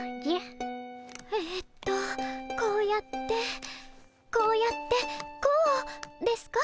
ええとこうやってこうやってこうですか？